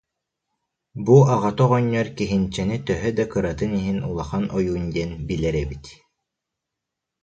Бу аҕата оҕонньор Киһинчэни төһө да кыратын иһин улахан ойуун диэн билэр эбит